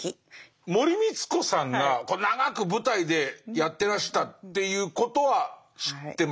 森光子さんが長く舞台でやってらしたということは知ってます。